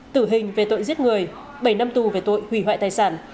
tử hình về tội giết người bảy năm tù về tội hủy hoại tài sản